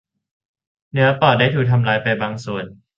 เนื้อปอดได้ถูกทำลายไปบางส่วน